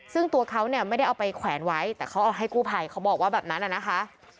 ซึ่งตัวเขาเนี่ยไม่ได้เอาไปแขวนไว้แต่เขาเอาให้กู้ภัยเขาบอกว่าแบบนั้นนะคะ